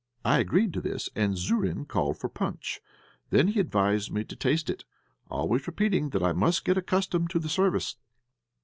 I agreed to this, and Zourine called for punch; then he advised me to taste it, always repeating that I must get accustomed to the service.